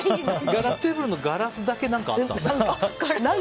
ガラステーブルのガラスだけ何かあったの。